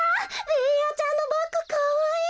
ベーヤちゃんのバッグかわいい！